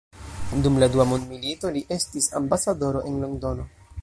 Dum la dua mondmilito, li estis ambasadoro en Londono.